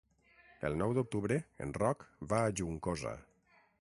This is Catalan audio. El nou d'octubre en Roc va a Juncosa.